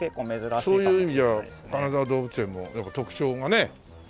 そういう意味じゃ金沢動物園も特徴がね。